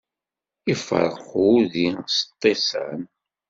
Iferreq udi s ṭṭisan.